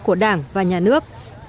của đảng và nhà nước